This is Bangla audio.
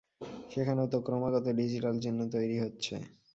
সেখানেও তো ক্রমাগত ডিজিটাল চিহ্ন তৈরি হচ্ছে।